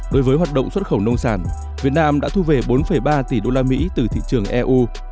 đối với hoạt động xuất khẩu nông sản việt nam đã thu về bốn ba tỷ usd từ thị trường eu